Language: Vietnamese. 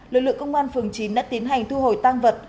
lực lượng công an phường chín đã tiến hành thu hồi tăng vật